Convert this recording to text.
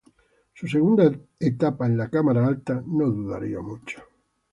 Su segunda etapa en la Cámara Alta no duraría mucho.